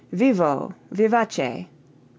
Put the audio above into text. Vivo, vivace, (lit.